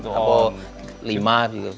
atau lima juga bisa